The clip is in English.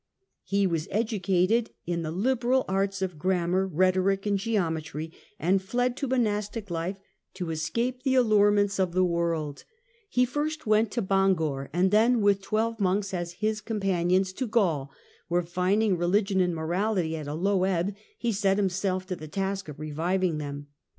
He was educated in the liberal arts of grammar, rhetoric and geometry, ami fled to monastic life to escape the allurements of the missions 643 615 BENEDICT OF NURSIA AND COLUMBAN 71 world. He went first to Bangor and then, with twelve monks as his companions, to Gaul, where, finding re ligion and morality at a low ebb, he set himself to the task of reviving them.